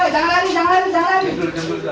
jangan lari jangan lari jangan lari